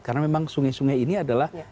karena memang sungai sungai ini adalah